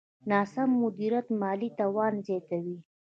ناسم مدیریت مالي تاوان زیاتوي.